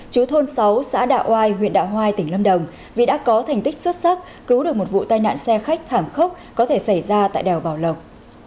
chú thôn sáu xã đạo oai huyện đạ hoai tỉnh lâm đồng vì đã có thành tích xuất sắc cứu được một vụ tai nạn xe khách thảm khốc có thể xảy ra tại đèo bảo lộc